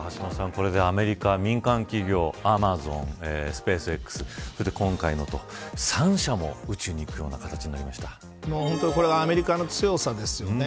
これでアメリカ民間企業アマゾン、スペースＸそして今回のと３社も宇宙に行く形に本当に、これはアメリカの強さですよね。